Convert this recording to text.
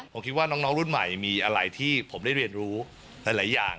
ผมคิดว่าน้องรุ่นใหม่มีอะไรที่ผมได้เรียนรู้หลายอย่าง